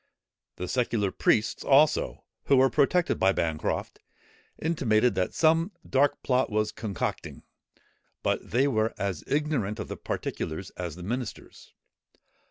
The secular priests, also, who were protected by Bancroft, intimated that some dark plot was concocting; but they were as ignorant of the particulars as the ministers.